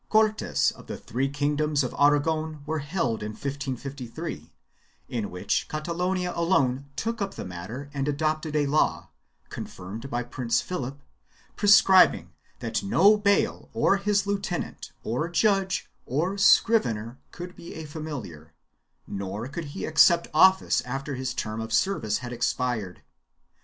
Cortes of the three kingdoms of Aragon were held in 1553, in which Catalonia alone took up the matter and adopted a law, confirmed by Prince Philip, prescribing that no bayle or his lieutenant, or judge, or scrivener could be a familiar, nor could he accept office after his term of service had expired.